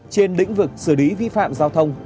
trên đỉnh vực xử lý vi phạm giao thông